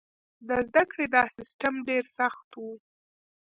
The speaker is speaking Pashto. د زده کړې دا سیستم ډېر سخت و.